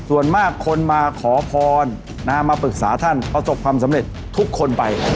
ส่วนมากคนมาขอพรมาปรึกษาท่านประสบความสำเร็จทุกคนไป